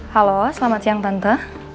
halo selamat siang tante